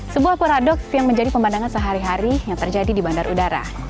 sebuah paradoks yang menjadi pemandangan sehari hari yang terjadi di bandar udara